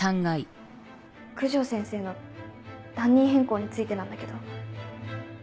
九条先生の担任変更についてなんだけど。